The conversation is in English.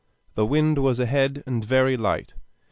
The wind was ahead and very light.